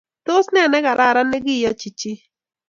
tos nee nekararan neki iyochi chii?